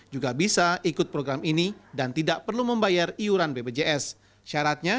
juga bisa ikut program ini dan tidak perlu membayar iuran bpjs